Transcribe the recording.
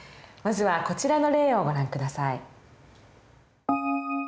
まずはこちらの例をご覧下さい。